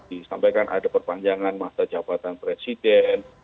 disampaikan ada perpanjangan masa jabatan presiden